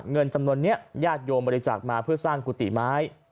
เงินจำนวนนี้ญาติโยมบริจาคมาเพื่อสร้างกุฏิไม้